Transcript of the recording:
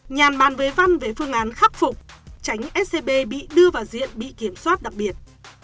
nhà bàn với văn về phương án khắc phục tránh scb bị đưa vào diện bị kiểm soát đặc biệt